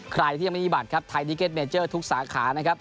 ใครที่ยังไม่มีบัตรทายลิเกตเนเจอร์ทุกสาขา